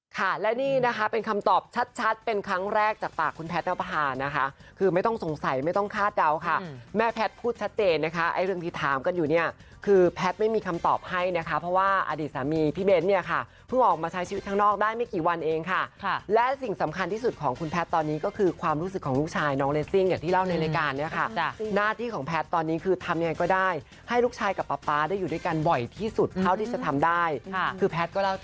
ค่ะและนี่นะคะเป็นคำตอบชัดเป็นครั้งแรกจากปากคุณแพทย์แล้วนะคะคือไม่ต้องสงสัยไม่ต้องคาดเดาค่ะแม่แพทย์พูดชัดเจนนะคะเรื่องที่ถามกันอยู่เนี่ยคือแพทย์ไม่มีคำตอบให้นะคะเพราะว่าอดีตสามีพี่เบ้นเนี่ยค่ะเพิ่งออกมาใช้ชีวิตข้างนอกได้ไม่กี่วันเองค่ะและสิ่งสำคัญที่สุดของคุณแพทย์ตอนนี้ก็คือค